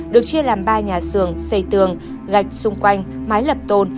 được chia làm ba nhà xưởng xây tường gạch xung quanh mái lập tôn